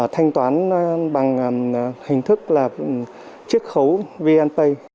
thanh toán bằng hình thức là chiếc khấu vnpay